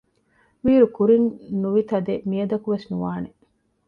ވީއިރު ކުރިން ނުވިތަދެއް މިއަދަކުވެސް ނުވާނެ